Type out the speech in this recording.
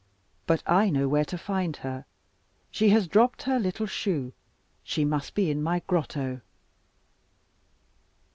But I know where to find her, she has dropped her little shoe, she must be in my grotto.